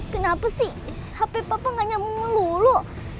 kenapa sih hp papa nggak nyambung melulu